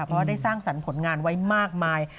เพราะว่าได้สร้างสรรค์ผลงานไว้มากมาย